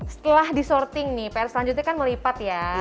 setelah disorting nih pr selanjutnya kan melipat ya